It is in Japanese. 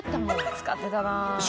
使ってたなあ。